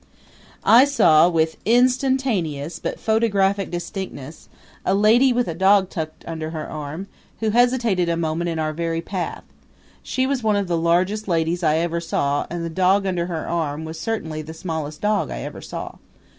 I saw, with instantaneous but photographic distinctness, a lady, with a dog tucked under her arm, who hesitated a moment in our very path. She was one of the largest ladies I ever saw and the dog under her arm was certainly the smallest dog I ever saw.